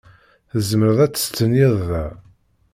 Tzemreḍ ad testenyiḍ da?